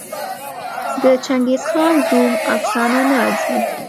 د چنګېزخان زوم افسانه نه ارزي.